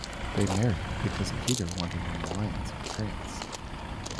They married because Peter wanted an alliance with France.